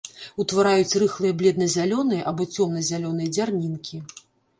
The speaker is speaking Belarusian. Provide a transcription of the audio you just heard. Утвараюць рыхлыя бледна-зялёныя або цёмна-зялёныя дзярнінкі.